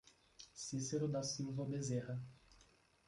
Cicero da Silva Bezerra